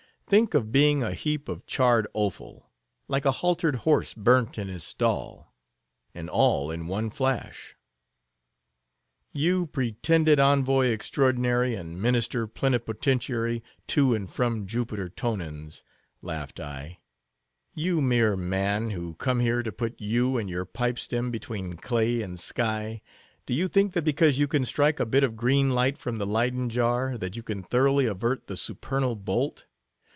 Think of being a heap of charred offal, like a haltered horse burnt in his stall; and all in one flash!" "You pretended envoy extraordinary and minister plenipotentiary to and from Jupiter Tonans," laughed I; "you mere man who come here to put you and your pipestem between clay and sky, do you think that because you can strike a bit of green light from the Leyden jar, that you can thoroughly avert the supernal bolt?